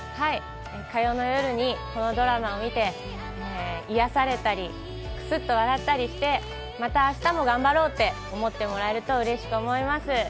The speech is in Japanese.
火曜の夜にこのドラマを見て、癒やされたり、クスッと笑ったりして、また明日も頑張ろうと思ってもらえるとうれしく思います。